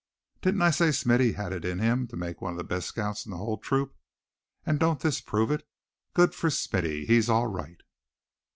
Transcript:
Didn't I say Smithy had it in him to make one of the best scouts in the whole troop; and don't this prove it? Good for Smithy; he's all right!"